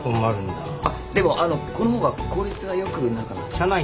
あっでもあのこの方が効率が良くなるかなと。